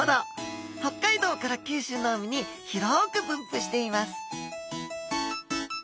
北海道から九州の海に広く分布しています